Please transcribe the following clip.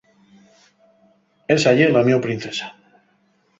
Esa ye la mio princesa.